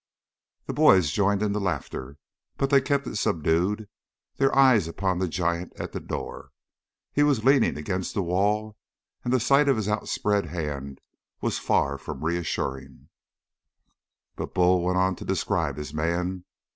The boys joined in the laughter, but they kept it subdued, their eyes upon the giant at the door. He was leaning against the wall, and the sight of his outspread hand was far from reassuring. But Bull went on to describe his man.